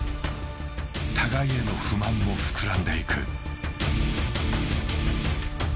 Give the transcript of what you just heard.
互いへの不満も膨らんでいく。